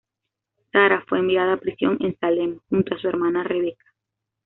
Sarah fue enviada a prisión en Salem, junto a su hermana Rebecca.